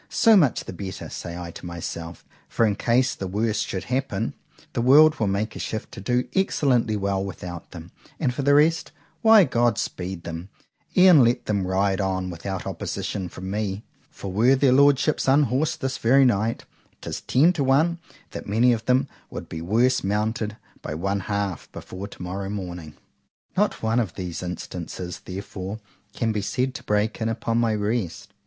——So much the better—say I to myself;—for in case the worst should happen, the world will make a shift to do excellently well without them; and for the rest,——why——God speed them——e'en let them ride on without opposition from me; for were their lordships unhorsed this very night—'tis ten to one but that many of them would be worse mounted by one half before tomorrow morning. Not one of these instances therefore can be said to break in upon my rest.